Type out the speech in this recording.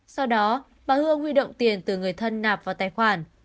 sau đó bà hương huy động tiền từ người thân nạp vào tài khoản